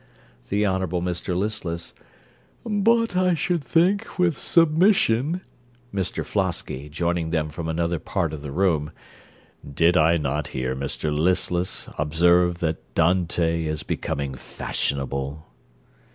THE HONOURABLE MR LISTLESS But I should think, with submission MR FLOSKY (joining them from another part of the room) Did I not hear Mr Listless observe that Dante is becoming fashionable?